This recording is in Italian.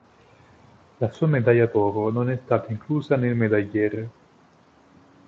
La sua medaglia d'oro non è stata inclusa nel medagliere.